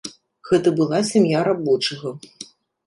Гэта была сям'я рабочага.